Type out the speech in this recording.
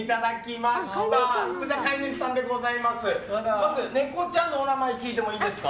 まずネコちゃんのお名前聞いてもいいですか？